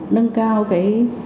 nâng cao cái